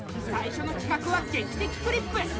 最初のきかくは「劇的クリップ」。